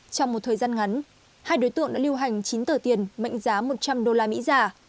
trong một thời gian ngắn hai đối tượng đã lưu hành chín tờ tiền mệnh giá một trăm linh đô la mỹ giả